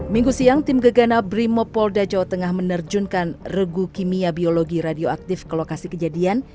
minggu siang tim gegana brimopolda jawa tengah menerjunkan regu kimia biologi radioaktif ke lokasi kejadian